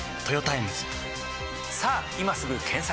さぁ今すぐ検索！